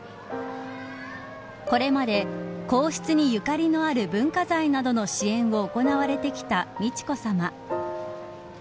これまで皇室にゆかりのある文化財などの支援を行われてきた美智子さま。